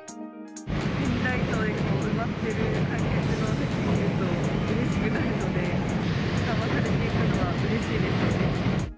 ペンライトで埋まってる観客席を見ると、うれしくなるので、緩和されていくのはうれしいですよね。